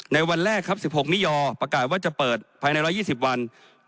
วันแรกครับ๑๖มิยอประกาศว่าจะเปิดภายใน๑๒๐วัน